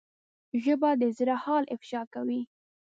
ژبه د زړه حال افشا کوي